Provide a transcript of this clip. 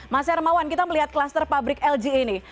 mas hermawan kita melihat klaster pabrik lg ini